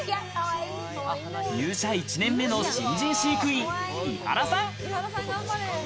入社１年目の新人飼育員、井原さん。